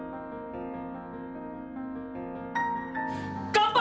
乾杯！